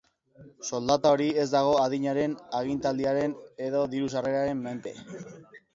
Soldata hori ez dago adinaren, agintaldiaren edo diru-sarreren menpe.